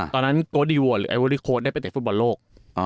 ตอนนั้นโกรดีโวอร์หรือไอวอลลีโค้ดได้ไปเตะฟุตบอลโลก